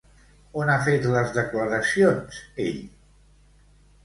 On ha fet les declaracions ell?